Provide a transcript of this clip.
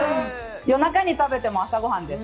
夜中に食べても朝ごはんです。